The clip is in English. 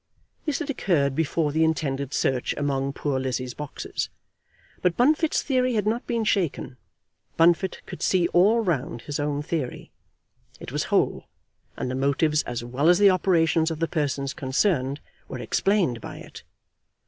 This had occurred before the intended search among poor Lizzie's boxes, but Bunfit's theory had not been shaken. Bunfit could see all round his own theory. It was whole, and the motives as well as the operations of the persons concerned were explained by it.